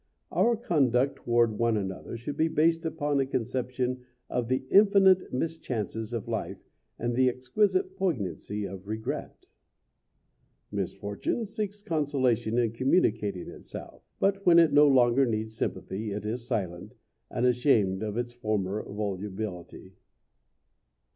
Our conduct toward one another should be based upon a conception of the infinite mischances of life and the exquisite poignancy of regret. Misfortune seeks consolation in communicating itself. But when it no longer needs sympathy it is silent, and ashamed of its former volubility.